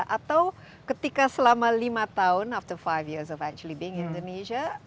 atau ketika selama lima tahun setelah lima tahun sebenarnya berada di indonesia